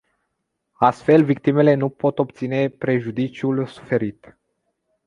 Astfel, victimele nu pot obține prejudiciul suferit.